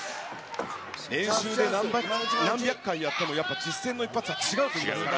練習で何百回やっても、やっぱ実戦の一発は違うといいますから。